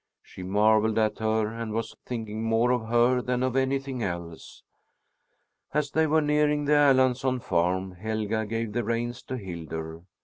She marvelled at her and was thinking more of her than of anything else. As they were nearing the Erlandsson farm, Helga gave the reins to Hildur.